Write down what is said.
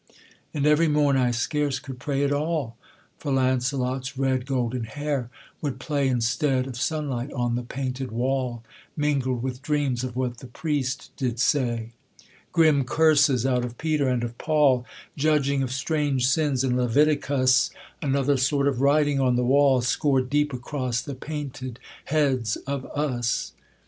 And every morn I scarce could pray at all, For Launcelot's red golden hair would play, Instead of sunlight, on the painted wall, Mingled with dreams of what the priest did say; Grim curses out of Peter and of Paul; Judging of strange sins in Leviticus; Another sort of writing on the wall, Scored deep across the painted heads of us.